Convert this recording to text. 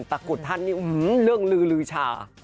ตะกุธท่านนี่ฮือเรื่องรื่อชา